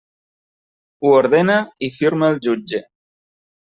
Ho ordena i firma el jutge.